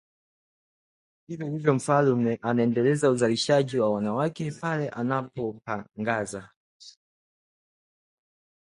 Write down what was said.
Vivyo hivyo Mfalme anaendeleza udhalilishaji wa wanawake pale anapompagaza